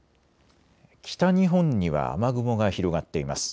北日本には雨雲が広がっています。